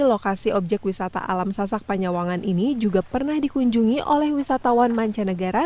lokasi objek wisata alam sasak panyawangan ini juga pernah dikunjungi oleh wisatawan mancanegara